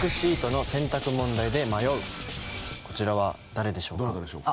こちらは誰でしょうか？